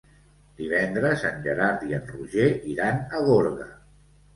Divendres en Gerard i en Roger iran a Gorga.